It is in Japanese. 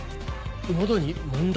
喉に問題？